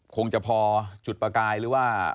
คงจะพอจุดประกายหรือว่า